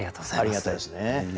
ありがたいですね。